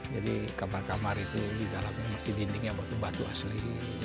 jadi kamar kamar itu di dalamnya masih dindingnya batu batu asli